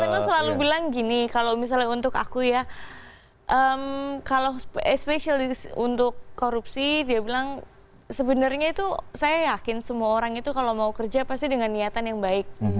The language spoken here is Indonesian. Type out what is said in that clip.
saya memang selalu bilang gini kalau misalnya untuk aku ya kalau especialist untuk korupsi dia bilang sebenarnya itu saya yakin semua orang itu kalau mau kerja pasti dengan niatan yang baik